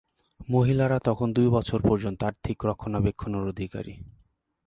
মহিলারা তখন দুই বছর পর্যন্ত আর্থিক রক্ষণাবেক্ষণের অধিকারী।